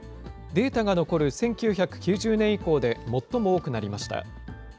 データが残る１９９０年以降で最も多くなりました。